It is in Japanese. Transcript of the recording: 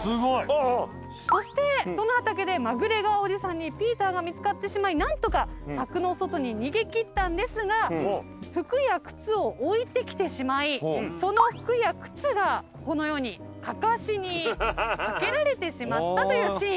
そしてその畑でマグレガーおじさんにピーターが見つかってしまい何とか柵の外に逃げ切ったんですが服や靴を置いてきてしまいその服や靴がこのようにカカシに掛けられてしまったというシーン。